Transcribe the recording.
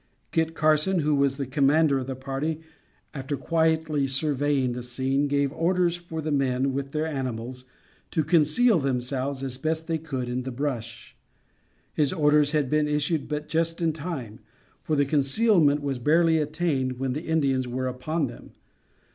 Kit Carson, who was the commander of the party, after quietly surveying the scene, gave orders for the men, with their animals, to conceal themselves, as best they could in the brush. His orders had been issued but just in time, for the concealment was barely attained, when the Indians were upon them.